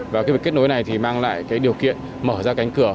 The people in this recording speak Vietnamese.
và cái kết nối này thì mang lại điều kiện mở ra cánh cửa